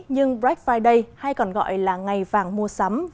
nhưng black friday hay còn gọi là ngày vàng mua sắm